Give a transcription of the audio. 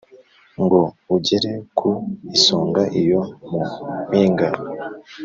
Ngo ugere ku isonga iyo mu mpinga